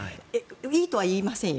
いいとは言いませんよ。